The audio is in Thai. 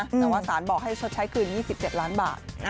แต่ว่าสารบอกให้ชดใช้คืน๒๗ล้านบาท